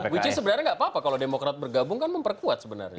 which is sebenarnya nggak apa apa kalau demokrat bergabung kan memperkuat sebenarnya